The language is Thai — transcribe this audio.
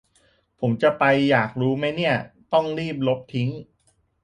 ผมจะไปอยากรู้ไหมเนี่ย ต้องรีบลบทิ้ง